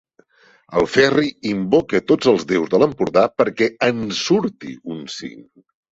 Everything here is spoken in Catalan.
El Ferri invoca tots els déus de l'Empordà perquè ens surti un cinc.